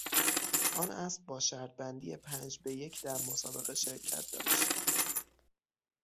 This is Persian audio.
آن اسب با شرط بندی پنج به یک در مسابقه شرکت داشت.